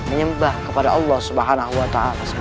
menyembah kepada allah swt